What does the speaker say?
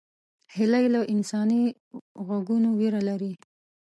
هیلۍ له انساني غږونو ویره لري